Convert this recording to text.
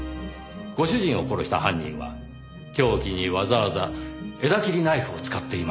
ご主人を殺した犯人は凶器にわざわざ枝切りナイフを使っていました。